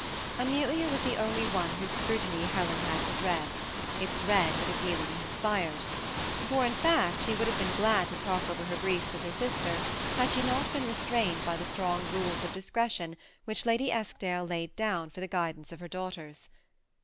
Amelia was the only one whose scrutiny Helen had to dread, if dread were the feeling it inspired ; for, in feet, she would have been glad to talk over her gnefs with her sister had she not been restrained by the strong rules of disc^tion which Lady Eskdale had laid down for the guidance of her daughters.